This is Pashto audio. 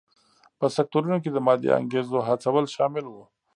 په سکتورونو کې د مادي انګېزو هڅول شامل و.